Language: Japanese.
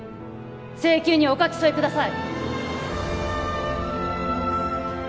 請求にお書き添えください